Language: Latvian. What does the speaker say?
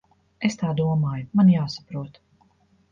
Es tā domāju. Man jāsaprot.